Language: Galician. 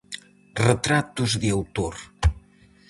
Retratos de autor.